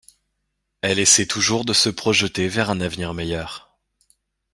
Elle essaie toujours de se projeter vers un avenir meilleur.